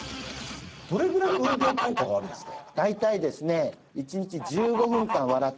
どれぐらい運動効果があるんですか？